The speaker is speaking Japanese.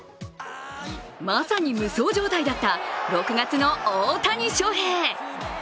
まさに無双状態だった６月の大谷翔平。